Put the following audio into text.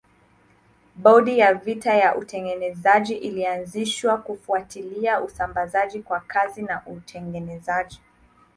Bodi ya vita ya utengenezaji ilianzishwa kufuatilia usambazaji wa kazi na utengenezaji.